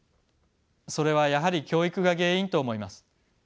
それはやはり教育が原因と思います。